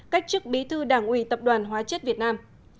cách chức bí thư đảng ủy tập đoàn hóa chất việt nam